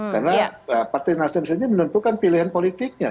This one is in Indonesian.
karena partai nasdem sendiri menentukan pilihan politiknya